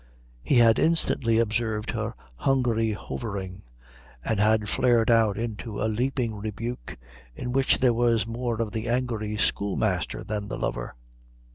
He had instantly observed her hungry hovering, and had flared out into a leaping rebuke in which there was more of the angry schoolmaster than the lover.